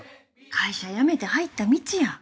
会社辞めて入った道や。